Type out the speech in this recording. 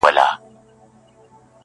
عمر تېر سو پاچا زوړ نیوي کلن سو-